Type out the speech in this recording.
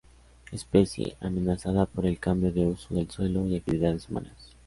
Especie, amenazada por el cambio de uso del suelo y actividades humanas.